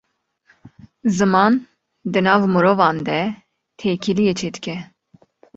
Ziman, di nav mirovan de têkiliyê çê dike